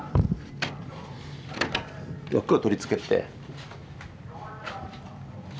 枠を取り付けて。